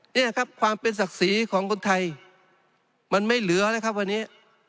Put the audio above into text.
นี่ครับความเป็นศักดิ์ศรีของคนไทยมันไม่เหลือแล้วครับวันนี้